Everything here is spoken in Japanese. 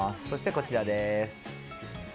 そしてこちらです。